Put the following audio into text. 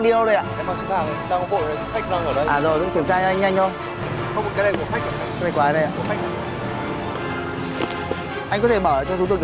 đây là cổng đá này